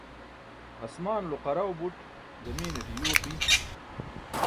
asmaanulo qarau buṭ zamiinaṭe yuu api